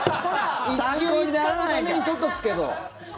一応、いつかのために取っておくけど。